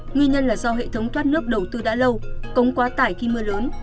nguyên nhân là do hệ thống thoát nước đầu tư đã lâu cống quá tải khi mưa lớn